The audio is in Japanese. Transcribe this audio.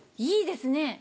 いいですね。